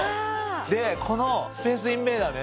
でこのスペースインベーダーね。